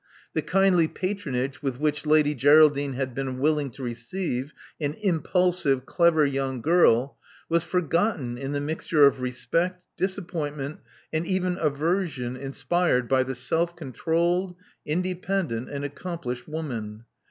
The kindly patronage with which Lady Geraldine had been willing to receive an impulsive, clever young girl, was forgotten in the mixture of respect, disap pointment, and even aversion inspired by the self con trolled, independent and accomplished woman.